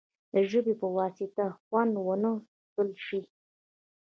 د ژبې په واسطه خوند ونه څکل شي.